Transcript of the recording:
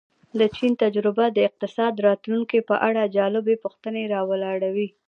د چین تجربه د اقتصاد راتلونکې په اړه جالبې پوښتنې را ولاړوي.